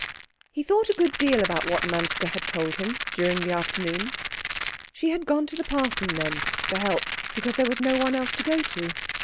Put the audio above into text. He thought a good deal about what Manske had told him during the afternoon. She had gone to the parson, then, for help, because there was no one else to go to.